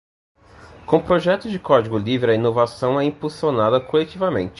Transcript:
Com projetos de código livre, a inovação é impulsionada coletivamente.